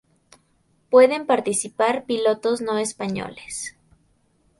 Pueden participar pilotos no españoles.